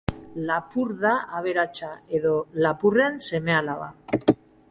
Lapur da aberatsa, edo lapurren seme-alaba.